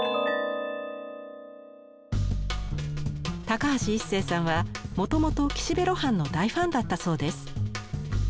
高橋一生さんはもともと岸辺露伴の大ファンだったそうです。